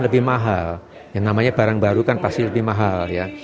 lebih mahal yang namanya barang baru kan pasti lebih mahal ya